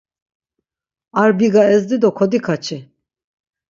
Ar biga ezdi do kodikaçi.